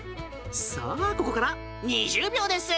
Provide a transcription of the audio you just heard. さあ、ここから２０秒です！